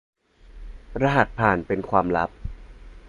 รหัสผ่านเป็นความลับ